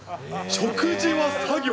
食事は作業。